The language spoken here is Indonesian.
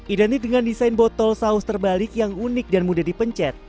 identik dengan desain botol saus terbalik yang unik dan mudah dipencet